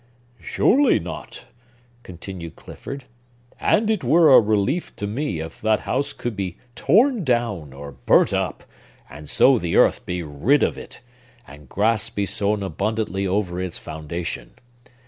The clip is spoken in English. "Surely not," continued Clifford; "and it were a relief to me if that house could be torn down, or burnt up, and so the earth be rid of it, and grass be sown abundantly over its foundation.